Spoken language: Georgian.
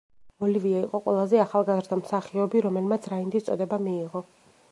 ოლივიე იყო ყველაზე ახალგაზრდა მსახიობი, რომელმაც რაინდის წოდება მიიღო.